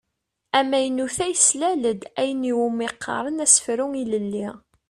Amaynut-a yeslal-d ayen i wumi qqaren asefru ilelli.